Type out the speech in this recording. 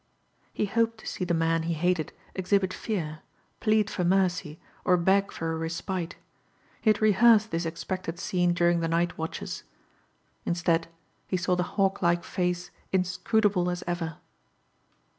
He hoped to see the man he hated exhibit fear, plead for mercy or beg for a respite. He had rehearsed this expected scene during the night watches. Instead he saw the hawk like face inscrutable as ever.